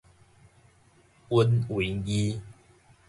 勻位字